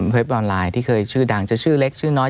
ออนไลน์ที่เคยชื่อดังจะชื่อเล็กชื่อน้อย